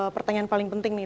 pertanyaan paling penting nih